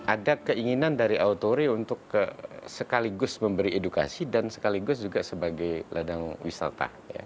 ada keinginan dari autori untuk sekaligus memberi edukasi dan sekaligus juga sebagai ladang wisata